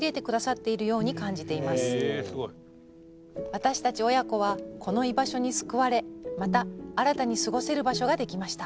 「私たち親子はこの居場所に救われまた新たに過ごせる場所ができました。